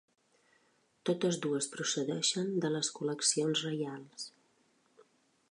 Totes dues procedeixen de les col·leccions reials.